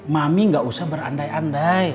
mami gak usah berandai andai